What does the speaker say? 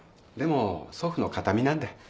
でも祖父の形見なんで。